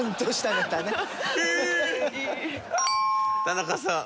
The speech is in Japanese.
田中さん。